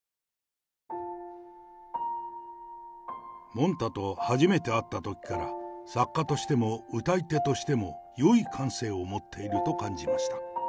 もんたと初めて会ったときから、作家としても歌い手としてもよい感性を持っていると感じました。